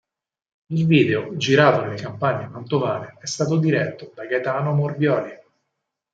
Il video, girato nelle campagne mantovane, è stato diretto da Gaetano Morbioli.